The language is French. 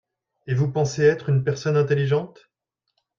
Et vous pensez être une personne intelligente ?